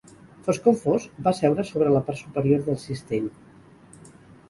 Fos com fos, va seure sobre la part superior del cistell.